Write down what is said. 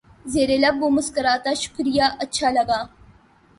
زیر لب وہ مسکراتا شکریہ اچھا لگا